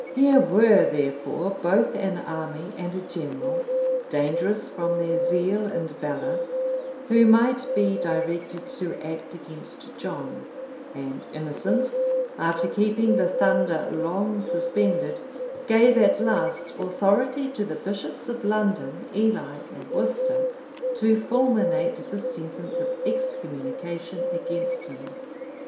Here were therefore both an army and a general, dangerous from their zeal and valor, who might be directed to act against John; and Innocent, after keeping the thunder long suspended, gave at last authority to the bishops of London, Ely, and Worcester, to fulminate the sentence of excommunication against him.